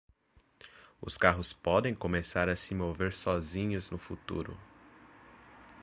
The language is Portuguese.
Os carros podem começar a se mover sozinhos no futuro.